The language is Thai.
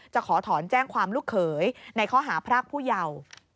ขอถอนแจ้งความลูกเขยในข้อหาพรากผู้เยาว์